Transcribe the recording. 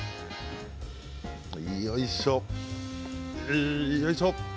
よいしょ、よいしょ。